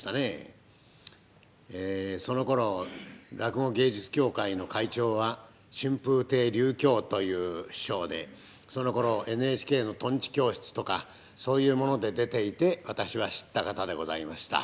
そのころ落語芸術協会の会長は春風亭柳橋という師匠でそのころＮＨＫの「とんち教室」とかそういうもので出ていて私は知った方でございました。